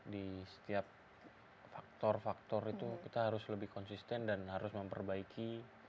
di setiap faktor faktor itu kita harus lebih konsisten dan harus memperbaiki